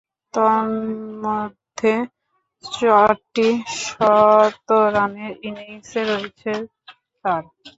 তন্মধ্যে চারটি শতরানের ইনিংসে রয়েছে তার।